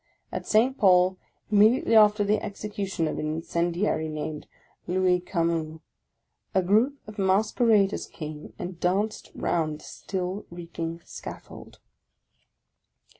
At St. Pol, immediately after the execution of an incendiary named Louis Camus, a group of Masqueraders came and danced round the still reeking scaffold!